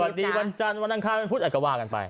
สวัสดีวันจันทร์วันดังข้าพุทธอัตกวากันไป